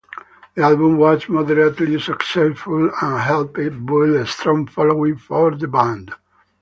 The album was moderately successful and helped build a strong following for the band.